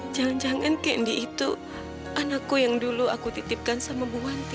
jangan jangan kendi itu anakku yang dulu aku titipkan sama bu wanti